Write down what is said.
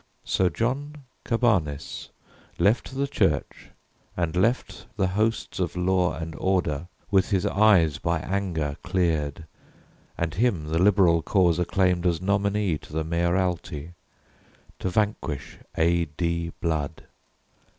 So John Cabanis left the church and left The hosts of law and order with his eyes By anger cleared, and him the liberal cause Acclaimed as nominee to the mayoralty To vanquish A. D. Blood.